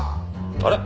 あれ？